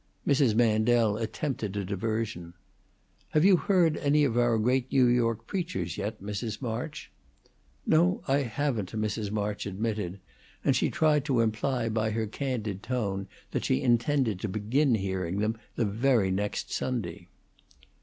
Mrs. Mandel attempted a diversion. "Have you heard any of our great New York preachers yet, Mrs. March?" "No, I haven't," Mrs. March admitted; and she tried to imply by her candid tone that she intended to begin hearing them the very next Sunday.